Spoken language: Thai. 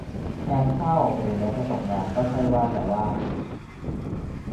งานเข้า หรือแม้จะตกงานก็ใช่ว่าจะว่าง